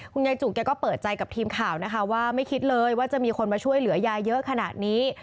ยายจุกแกก็เปิดใจกับทีมข่าวนะคะว่าไม่คิดเลยว่าจะมีคนมาช่วยเหลือยายเยอะขนาดนี้